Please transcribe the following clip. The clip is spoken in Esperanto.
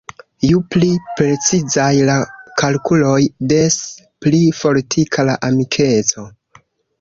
Ju pli precizaj la kalkuloj, des pli fortika la amikeco.